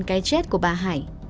cái chết của bà hải